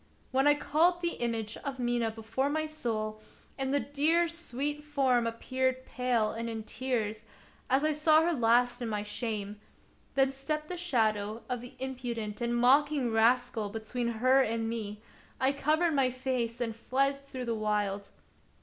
When I called the image of Mina before my soul, and the dear, sweet form appeared pale and in tears, as I saw her last in my shame, then stepped the shadow of the impu dent and mocking Rascal between her and me; I covered my face and fled through the wild.